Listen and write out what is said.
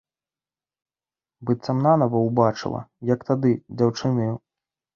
Быццам нанава ўбачыла, як тады, дзяўчынаю.